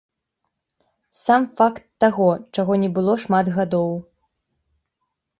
Сам факт таго, чаго не было шмат гадоў.